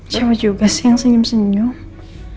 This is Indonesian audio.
coba juga sih yang senyum senyum